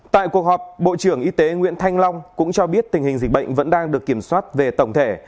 tại cuộc họp bộ trưởng y tế nguyễn thanh long cũng cho biết tình hình dịch bệnh vẫn đang được kiểm soát về tổng thể